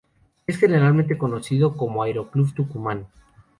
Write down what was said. Es generalmente conocido como Aeroclub Tucumán.